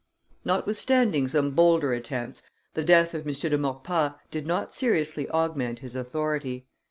Notwithstanding some bolder attempts, the death of M. de Maurepas did not seriously augment his authority.